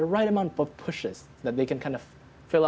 memberikan jumlah yang tepat untuk memudahkan mereka